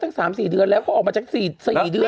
ตั้งสามสี่เดือนแล้วเขาออกมาจากสี่เสียงสี่เดือน